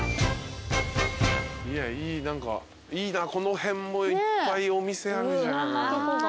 いいなこの辺もいっぱいお店あるじゃん。